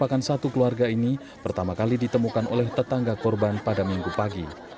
merupakan satu keluarga ini pertama kali ditemukan oleh tetangga korban pada minggu pagi